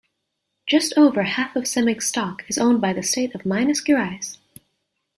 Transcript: Just over half of Cemig's stock is owned by the state of Minas Gerais.